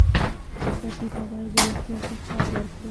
ټپي ته باید د روغتیا فرصت ورکړو.